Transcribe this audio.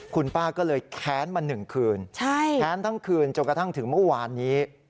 คุณป้าก็เลยแค้นมา๑คืนแค้นทั้งคืนจนกระทั่งถึงเมื่อวานนี้